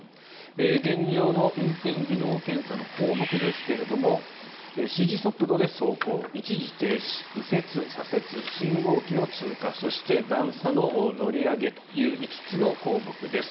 現状の運転技能検査の項目ですが指示速度で走行一時停止、右折左折信号機の通過そして段差乗り上げという５つの項目です。